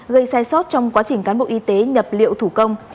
gây sai sót trong quá trình cán bộ y tế nhập liệu thủ công